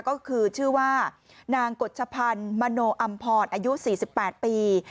ก็คือชื่อว่านางกฎชพันธ์มโนอำพรอายุ๔๘ปี